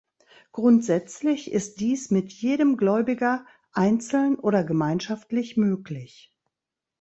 Grundsätzlich ist dies mit jedem Gläubiger einzeln oder gemeinschaftlich möglich.